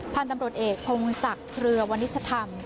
พันธุ์ตำรวจเอกพงศักดิ์เครือวนิชธรรม